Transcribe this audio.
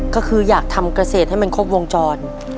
ก็คืออยากทำเกษตรให้มันครบวงจร